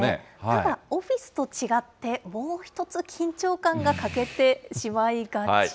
ただ、オフィスと違って、もう一つ緊張感が欠けてしまいがち？